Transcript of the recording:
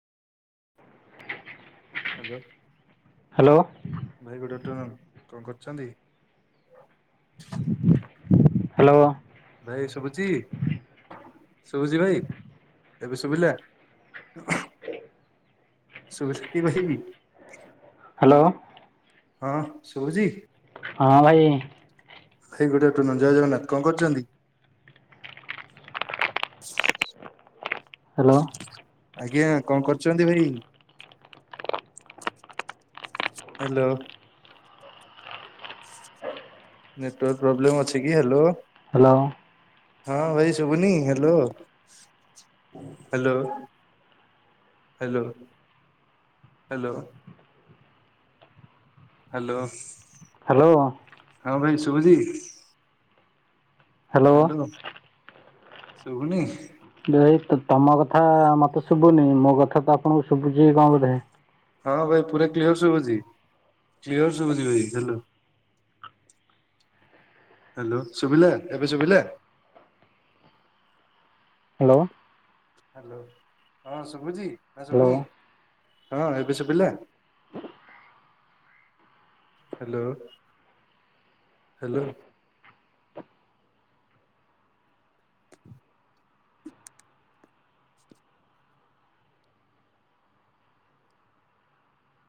Hello hello ଭାଇ good afternoon କଣ କରୁଛନ୍ତି? ହ୍ୟାଲୋ। ଭାଇ ସଭୁଚି। ଶୁଭୁଚି ଭାଇ ଏବେ ଶୁଭିଲା। ସୁଭୁସୁତି ଭାଇ ହ୍ୟାଲୋ ସଭୁଚି? ହଁ ଭାଇ ଭାଇ ଗୁଡ଼୍ ଆଫଟରନୁନ୍ ଜୟ ଜଗନ୍ନାଥ କଣ କରିଚନ୍ତି? ହାଲୋ ଆଜ୍ଞା କଣ କରୁଛନ୍ତି ଭାଇ? ହ୍ୟାଲୋ ନେଟୱାର୍କ ପ୍ରୋବ୍ଲେମ୍ ଅଛି କି ହ୍ୟାଲୋ ହ୍ୟାଲୋ ହଁ ଭାଇ ଶୁଭୁନି? Hello hello hello hello hello hello ହଁ ଭାଇ ଶୁଭୁଚି? ହ୍ୟାଲୋ। ଶୁବୁନି। ଭାଇ ତତ୍ ତମ କଥା ମତେ ଶୁଭୁନି ମୋ କଥା ତ ଆପଣଙ୍କୁ ଶୁବୁଚି କଣ ବୋଧେ। ହଁ ଭାଇ ପୁରା କ୍ଲିଅର ସୁବୁଚି। କ୍ଲିଅର ସୁବୁଚି ଭାଇ ହ୍ଯାଲୋ। ହ୍ୟାଲୋ ସୁଭିଲା ଏବେ ସୁୁଭିଲା? ହ୍ୟାଲୋ ହ୍ୟାଲୋ କଣ ଶୁଭୁଛି ନା ଶୁଭୁନି ହ୍ୟାଲୋ ହଁ ଏବେ ଶୁଭିଲା? Hello hello.